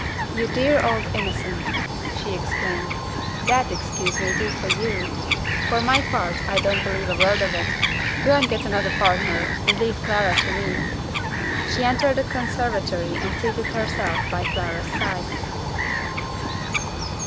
"You dear old innocent!" she exclaimed, "that excuse may do for you. For my part, I don't believe a word of it. Go and get another partner, and leave Clara to me." She entered the conservatory and seated herself by Clara's side.